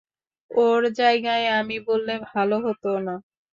ওর জায়গায় আমি বললে ভালো হতো না?